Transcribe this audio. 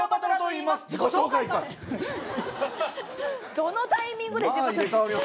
どのタイミングで自己紹介。